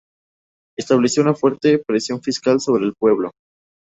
Estableció una fuerte presión fiscal sobre el pueblo.